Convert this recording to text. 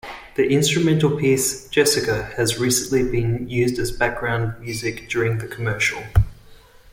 The instrumental piece "Jessica" has recently been used as background music during the commercial.